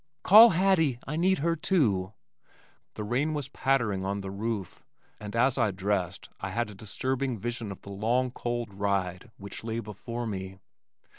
"Call Hattie. I need her too." The rain was pattering on the roof, and as I dressed I had a disturbing vision of the long cold ride which lay before me.